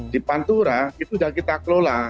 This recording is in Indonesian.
di pantura itu sudah kita kelola